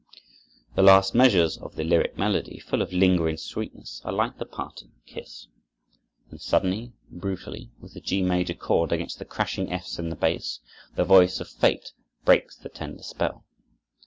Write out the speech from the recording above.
The last measures of the lyric melody, full of lingering sweetness, are like the parting kiss. Then suddenly, brutally, with the G major chord against the crashing F's in the bass, the voice of fate breaks the tender spell.